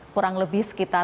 kurang lebih sekitar tiga belas